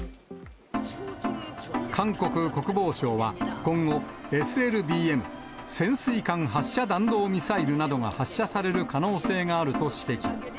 韓国国防省は今後、ＳＬＢＭ・潜水艦発射弾道ミサイルなどが発射される可能性があると指摘。